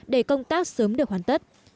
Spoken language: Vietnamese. để công tác sớm được hoàn tất